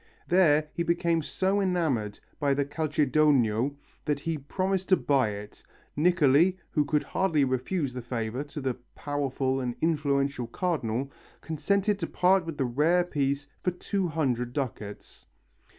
There he became so enamoured of the "calcedonio" that he proposed to buy it. Niccoli, who could hardly refuse the favour to the powerful and influential Cardinal, consented to part with the rare piece for 200 ducats.